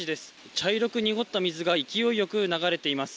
茶色く濁った水が勢いよく流れています。